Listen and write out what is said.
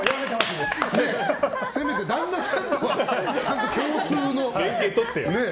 せめて旦那さんとはちゃんと共通の。